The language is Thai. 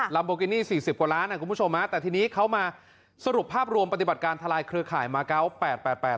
ัมโบกินี่สี่สิบกว่าล้านอ่ะคุณผู้ชมฮะแต่ทีนี้เขามาสรุปภาพรวมปฏิบัติการทลายเครือข่ายมาเกาะแปดแปดแปด